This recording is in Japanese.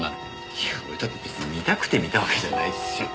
いや俺だって別に見たくて見たわけじゃないですよ。